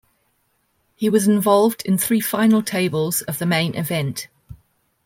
He was involved in three final tables of the Main Event.